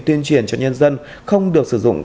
tuyên truyền cho nhân dân không được sử dụng